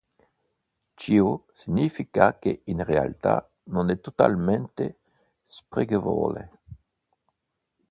Ciò significa che in realtà non è totalmente spregevole